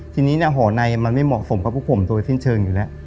ทีนี้ห่อในมันไม่เหมาะสมกับพวกผมโดยสิ้นเชิงอยู่แล้ว